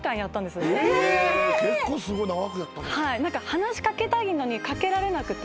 話し掛けたいのに掛けられなくて。